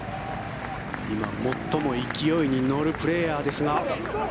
今、最も勢いに乗るプレーヤーですが。